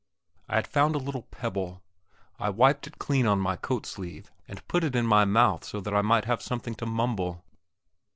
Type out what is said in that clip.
I had found a little pebble; I wiped it clean on my coat sleeve and put it into my mouth so that I might have something to mumble.